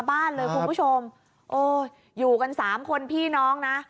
บ้านเลยคุณผู้ชมโอ้ยอยู่กันสามคนพี่น้องนะ